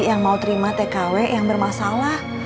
yang mau terima tkw yang bermasalah